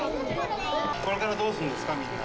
これからどうするんですかみんな。